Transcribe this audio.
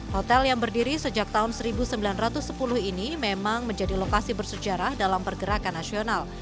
hotel yang berdiri sejak tahun seribu sembilan ratus sepuluh ini memang menjadi lokasi bersejarah dalam pergerakan nasional